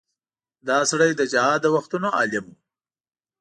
دا سړی د جهاد د وختونو عالم و.